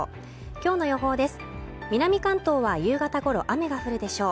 今日の予報です。